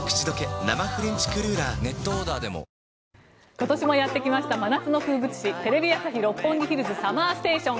今年もやってきました真夏の風物詩テレビ朝日・六本木ヒルズＳＵＭＭＥＲＳＴＡＴＩＯＮ。